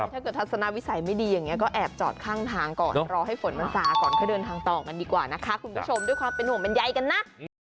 ถ้าเกิดทัศนวิสัยไม่ดีอย่างนี้ก็แอบจอดข้างทางก่อนรอให้ฝนมันสาก่อนค่อยเดินทางต่อกันดีกว่านะคะคุณผู้ชมด้วยความเป็นห่วงบรรยายกันนะ